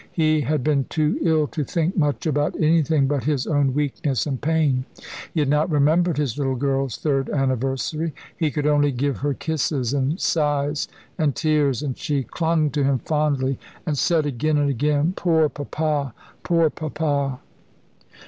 He had been too ill to think much about anything but his own weakness and pain. He had not remembered his little girl's third anniversary. He could only give her kisses, and sighs and tears; and she clung to him fondly, and said again and again: "Poor Papa, poor Papa!"